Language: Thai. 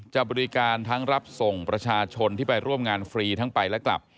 จะบริการทั้งรับส่งประชาชนที่ไปร่วมงานฟรีทั้งไปและกลับ